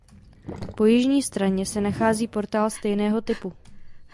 Po jižní straně se nachází portál stejného typu.